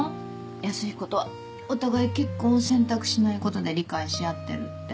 康彦とはお互い結婚を選択しないことで理解し合ってるって。